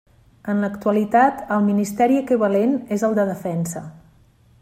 En l'actualitat el ministeri equivalent és el de Defensa.